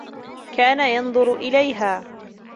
كان ينظر إليها.